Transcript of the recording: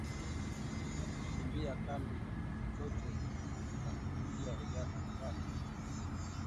kukimbia kambi zao na kuingia Uganda na Rwanda